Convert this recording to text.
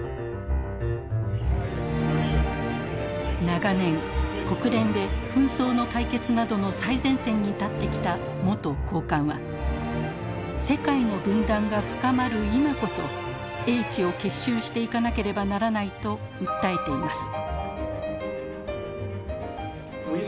長年国連で紛争の解決などの最前線に立ってきた元高官は世界の分断が深まる今こそ英知を結集していかなければならないと訴えています。